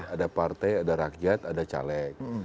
ada partai ada rakyat ada caleg